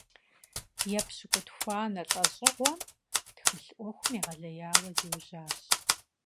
Епщыкӏутхуанэ лӏэщӏыгъуэм тхылъ ӏуэхум егъэлеяуэ зиужьащ.